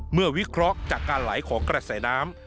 วิเคราะห์จากการไหลของกระแสน้ำ